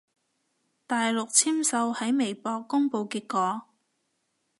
大陸簽售喺微博公佈結果